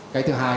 cái thứ hai